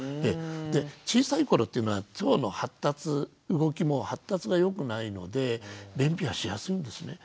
で小さい頃っていうのは腸の発達動きも発達がよくないので便秘はしやすいんですね。